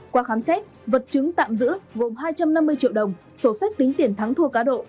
qua khám xét vật chứng tạm giữ gồm hai trăm năm mươi triệu đồng sổ sách tính tiền thắng thua cá độ